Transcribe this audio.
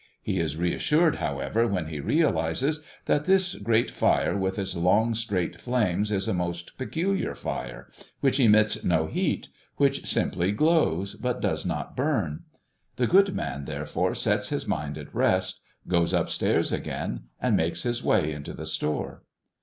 He is reassured, however, when he realizes that this great fire with its long straight flames is a most peculiar fire, which emits no heat, which simply glows, but does not burn. The good man therefore sets his mind at rest, goes upstairs again, and makes his way into the store.